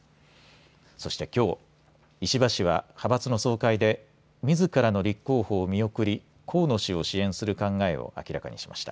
そしてきょう、石破氏は、派閥の総会でみずからの立候補を見送り、河野氏を支援する考えを明らかにしました。